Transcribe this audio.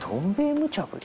無茶ぶり？